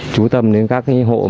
chú tâm đến các hộ